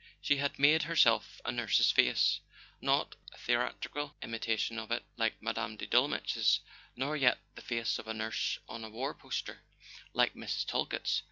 She had made herself a nurse's face; not a theatrical imitation of it like Mme. de Dolmetsch's, nor yet the face of a nurse on a war poster, like Mrs. Talkett's.